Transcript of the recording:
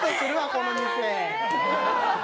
この店。